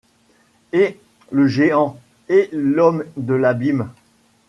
Hé ! le géant ! Hé ! l’homme de l’abîme !